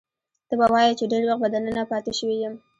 ته به وایې چې ډېر وخت به دننه پاتې شوی یم.